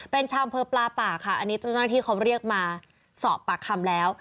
เป็นชาวอำเภอปลาป่าค่ะอันนี้เจ้าหน้าที่เขาเรียกมาสอบปากคำแล้ว